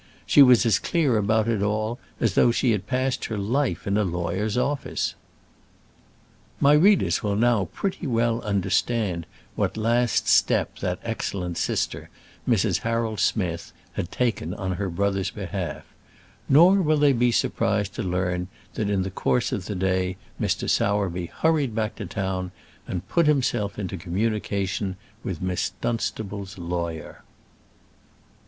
She was as clear about it all as though she had passed her life in a lawyer's office." My readers will now pretty well understand what last step that excellent sister, Mrs. Harold Smith, had taken on her brother's behalf, nor will they be surprised to learn that in the course of the day Mr. Sowerby hurried back to town and put himself into communication with Miss Dunstable's lawyer.